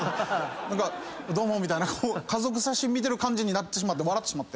どうもみたいな家族写真見てる感じになって笑ってしまって。